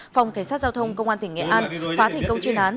phòng cảnh sát giao thông công an tỉnh nghệ an phá thành công chuyên án